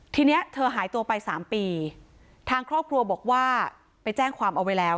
ทีนี้เธอหายตัวไปสามปีทางครอบครัวบอกว่าไปแจ้งความเอาไว้แล้ว